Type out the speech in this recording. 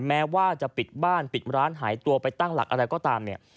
แม้ว่าจะปิดบ้านปิดร้านหายตัวไปตั้งหลักอะไรก็ตามเนี่ย